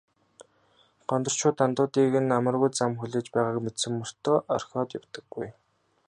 Гондорчууд андуудыг нь амаргүй зам хүлээж байгааг мэдсэн мөртөө орхиод явдаггүй.